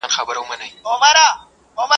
د ډاله ږغ له ليري ښه خوند کوي